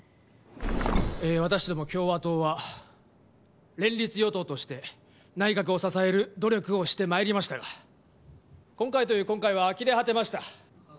私ども共和党は連立与党として内閣を支える努力をして参りましたが今回という今回はあきれ果てました。